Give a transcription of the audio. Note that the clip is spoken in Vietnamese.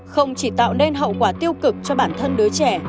không chỉ tạo nên hậu quả tiêu cực cho bản thân đứa trẻ